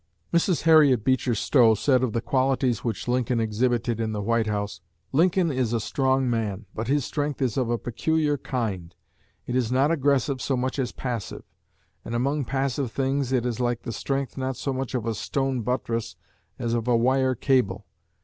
Mrs. Harriet Beecher Stowe said of the qualities which Lincoln exhibited in the White House: "Lincoln is a strong man, but his strength is of a peculiar kind; it is not aggressive so much as passive; and among passive things, it is like the strength not so much of a stone buttress as of a wire cable.